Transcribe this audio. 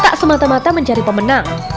tak semata mata mencari pemenang